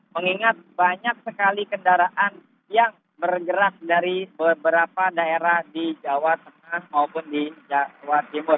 mengingat banyak sekali kendaraan yang bergerak dari beberapa daerah di jawa tengah maupun di jawa timur